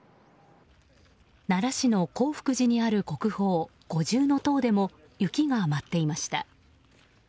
奈良市の興福寺にある国宝・五重塔でも雪が舞っていました。